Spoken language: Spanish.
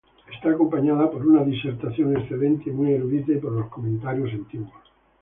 Está acompañada por una disertación excelente y muy erudita, y por los comentarios antiguos.